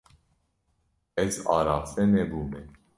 Ez araste nebûme.